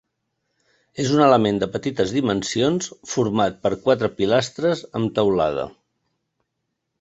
És un element de petites dimensions format per quatre pilastres amb teulada.